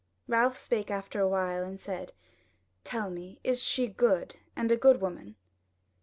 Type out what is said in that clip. Ralph spake after a while and said: "Tell me, is she good, and a good woman?"